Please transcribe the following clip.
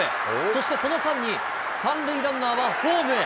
そしてその間に、３塁ランナーはホームへ。